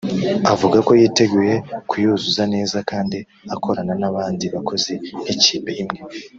avuga ko yiteguye kuyuzuza neza kandi akorana n’abandi bakozi nk’ikipe imwe